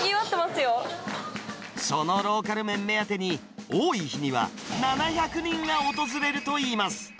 そのローカル麺目当てに、多い日には７００人が訪れるといいます。